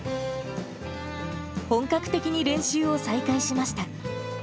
本格的に練習を再開しました。